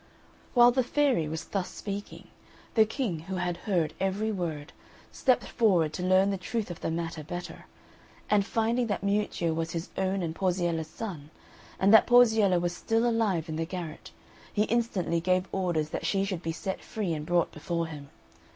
While the fairy was thus speaking, the King, who had heard every word, stepped forward to learn the truth of the matter better; and finding that Miuccio was his own and Porziella's son, and that Porziella was still alive in the garret, he instantly gave orders that she should be set free and brought before him.